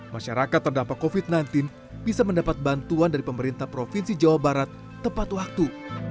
masyarakat terdampak covid sembilan belas bisa mendapat bantuan dari pemerintah provinsi jawa barat tepat waktu